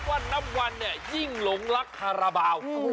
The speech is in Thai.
บอกเลยนะครับว่าน้ำวันยิ่งหลงรักคาราบาล